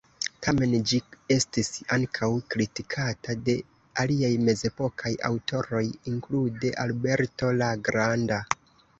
Tamen ĝi estis ankaŭ kritikata de aliaj mezepokaj aŭtoroj, inklude Alberto la Granda.